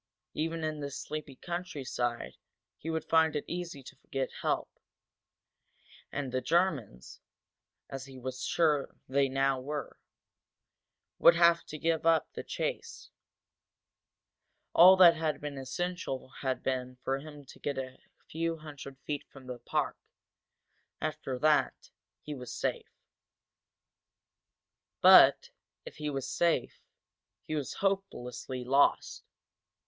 Even in this sleepy countryside he would find it easy to get help, and the Germans, as he was now sure they were, would have to give up the chase. All that had been essential had been for him to get a few hundred feet from the park, after that he was safe. But, if he was safe, he was hopelessly lost.